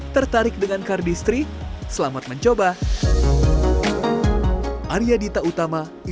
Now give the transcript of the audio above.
tertarik dengan kardistri selamat mencoba